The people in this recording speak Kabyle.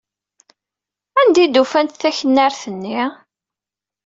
Anda ay d-ufant taknart-nni?